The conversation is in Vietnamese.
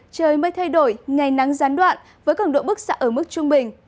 trời mới thay đổi ngày nắng gián đoạn với cường độ bức xạ ở mức trung bình